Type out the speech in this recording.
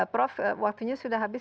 prof waktunya sudah habis